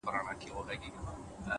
اخلاق د انسان خاموشه پېژندپاڼه ده’